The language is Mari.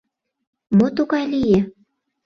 Мо тугай лие?